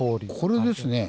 これですね。